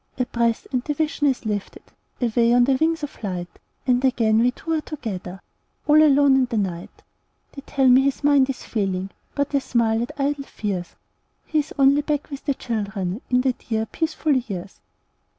A breath, and the vision is lifted Away on wings of light, And again we two are together, All alone in the night. They tell me his mind is failing, But I smile at idle fears; He is only back with the children, In the dear and peaceful years.